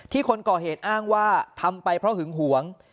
คนก่อเหตุอ้างว่าทำไปเพราะหึงหวง